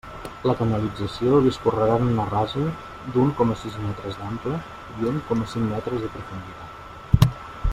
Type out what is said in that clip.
La canalització discorrerà en una rasa d'un coma sis metres d'ample i un coma cinc metres de profunditat.